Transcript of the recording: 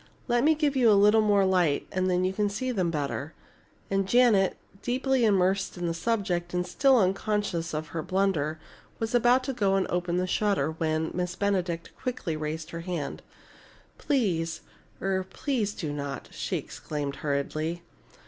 Let me give you a little more light and then you can see them better." And Janet, deeply immersed in the subject and still unconscious of her blunder, was about to go and open a shutter, when Miss Benedict quickly raised her hand. "Please er please do not!" she exclaimed hurriedly.